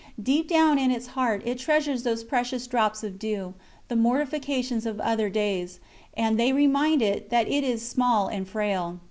Deep down in its heart it treasures those precious drops of dew the mortifications of other days and they remind it that it is small and frail.